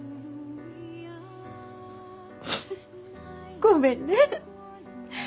ごめんね。